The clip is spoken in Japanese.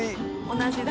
同じだ。